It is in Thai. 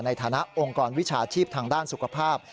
ในฐานะองค์กรวิชาชีพทางด้านสุขภาพ